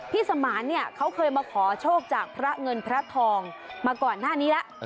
พี่สมานเขาเคยมาขอโชคจากพระเงินพระทองมาก่อนหน้านี้ล่ะ